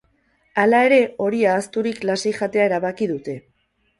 Hala ere hori ahazturik lasai jatea erabaki dute.